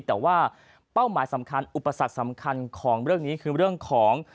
แต่ว่าเป้าหมายสำคัญอุปสรรคสำคัญของเรื่องนี้คือเรื่องของ